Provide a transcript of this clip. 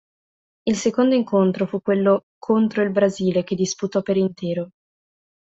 Il secondo incontro fu quello contro il Brasile che disputò per intero.